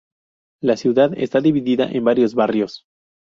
La ciudad está dividida en varios barrios.